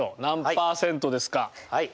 はい。